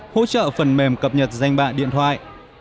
hỗ trợ phần mềm cập nhật danh bạ điện thoại